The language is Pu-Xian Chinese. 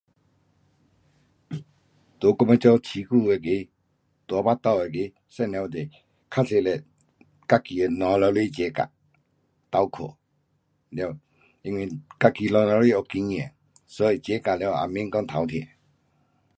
在我们做市区那个大肚子那个妇女是，较多是自己的老母亲 jaga, 斗看，因为自己的老母亲有经验，所以 jaga 了也免讲头痛。